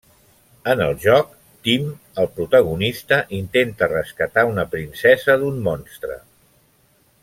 En el joc, Tim, el protagonista, intenta rescatar una princesa d'un monstre.